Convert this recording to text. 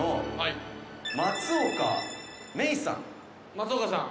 「松岡さん！」